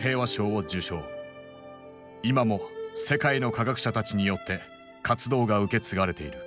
今も世界の科学者たちによって活動が受け継がれている。